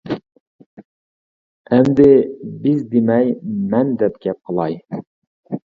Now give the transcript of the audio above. ئەمدى «بىز» دېمەي، «مەن» دەپ گەپ قىلاي.